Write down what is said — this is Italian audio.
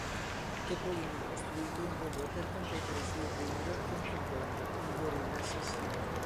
Topolino ha costruito un robot per competere sul ring contro Kongo, il gorilla assassino.